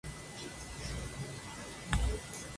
Se distribuye por Laos, Vietnam y Camboya.